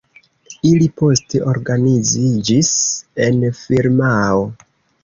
Ili poste organiziĝis en firmao.